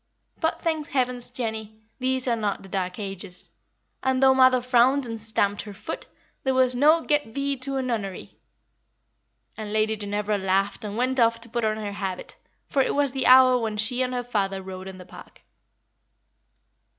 But, thank heavens, Jenny, these are not the Dark Ages, and though mother frowned and stamped her foot, there was no 'Get thee to a nunnery!'" And Lady Ginevra laughed and went off to put on her habit, for it was the hour when she and her father rode in the park.